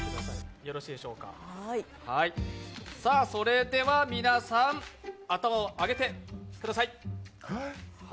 さあそれでは皆さん、頭を上げてください。